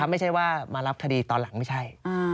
ไม่ใช่ว่ามารับคดีตอนหลังไม่ใช่